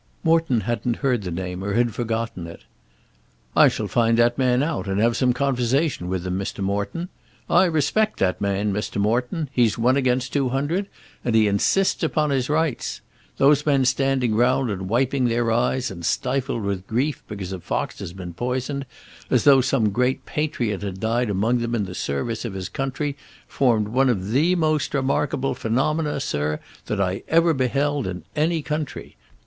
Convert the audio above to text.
Morton hadn't heard the name, or had forgotten it. "I shall find that man out, and have some conversation with him, Mr. Morton. I respect that man, Mr. Morton. He's one against two hundred, and he insists upon his rights. Those men standing round and wiping their eyes, and stifled with grief because a fox had been poisoned, as though some great patriot had died among them in the service of his country, formed one of the most remarkable phenomena, sir, that ever I beheld in any country.